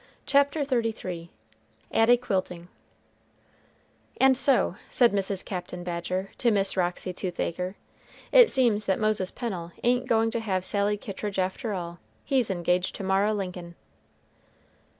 CHAPTER XXXIII AT A QUILTING "And so," said Mrs. Captain Badger to Miss Roxy Toothacre, "it seems that Moses Pennel ain't going to have Sally Kittridge after all, he's engaged to Mara Lincoln."